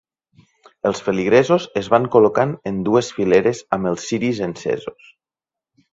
Els feligresos es van col·locant en dues fileres amb els ciris encesos.